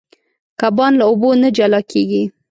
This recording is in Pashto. کبان له اوبو نه جلا کېږي.